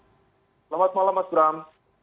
selamat malam mas bram